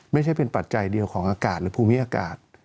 ไม่ใช่เป็นปัจจัยเดียวของอากาศหรือภูมิอากาศ